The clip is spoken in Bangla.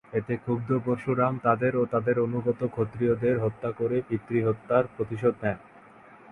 এতে ক্ষুব্ধ পরশুরাম তাদের ও তাদের অনুগত ক্ষত্রিয়দের হত্যা করে পিতৃহত্যার প্রতিশোধ নেন।